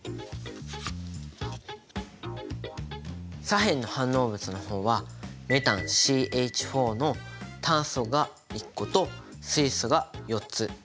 左辺の反応物の方はメタンＣＨの炭素が１個と水素が４つ。